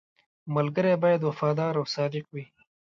• ملګری باید وفادار او صادق وي.